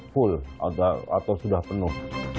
full atau sudah penuh